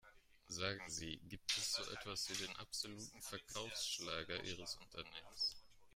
Sagen Sie, gibt es so etwas wie den absoluten Verkaufsschlager ihres Unternehmens?